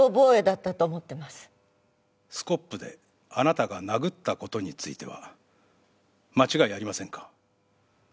スコップであなたが殴った事については間違いありませんか？